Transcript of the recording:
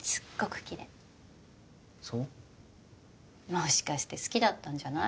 もしかして好きだったんじゃない？